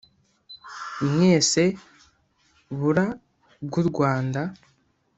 mwese bura bw’u rwanda